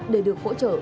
để được hỗ trợ